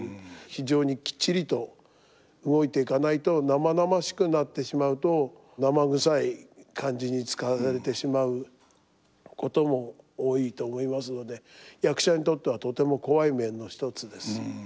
非常にきっちりと動いていかないと生々しくなってしまうと生臭い感じに使われてしまうことも多いと思いますので役者にとってはとても怖い面の一つです。